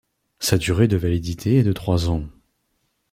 Sa durée de validité est de trois ans.